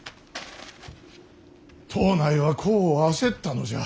藤内は功を焦ったのじゃ。